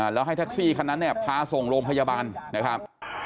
แล้วให้แท็กซี่คันนั้นเนี่ยพาส่งโรงพยาบาลนะครับ